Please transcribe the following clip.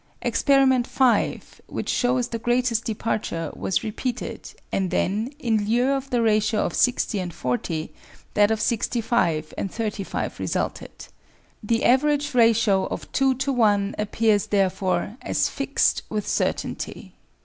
Experiment 5, which shows the greatest depar ture, was repeated, and then, in lieu of the ratio of 60 and 40, that of 65 and 35 resulted. The average ratio of 2 to 1 appears, therefore, as fixed with certainty.